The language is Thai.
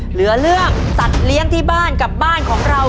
เหลือเรื่องสัตว์เลี้ยงที่บ้านกับบ้านของเรา